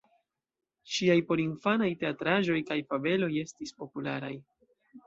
Ŝiaj porinfanaj teatraĵoj kaj fabeloj estis popularaj.